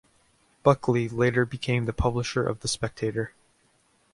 Buckley later became the publisher of The Spectator.